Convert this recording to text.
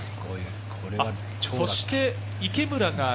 そして池村が。